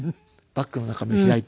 バッグの中身を開いて。